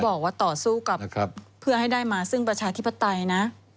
บอกว่าต่อสู้กับเพื่อให้ได้มาซึ่งประชาธิปไตยนะ